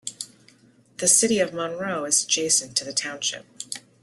The City of Monroe is adjacent to the township.